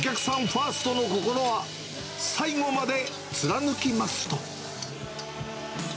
ファーストの心は、最後まで貫きますと。